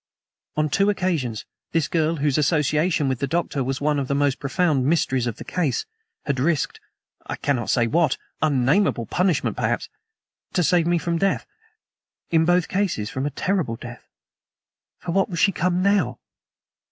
On two occasions this girl, whose association with the Doctor was one of the most profound mysteries of the case, had risked I cannot say what; unnameable punishment, perhaps to save me from death; in both cases from a terrible death. For what was she come now?